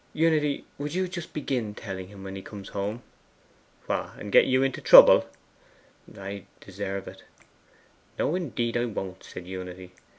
'Unity, would you just begin telling him when he comes home?' 'What! and get you into trouble?' 'I deserve it.' 'No, indeed, I won't,' said Unity.